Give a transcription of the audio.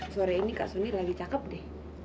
sore ini kak suni lagi cakep deh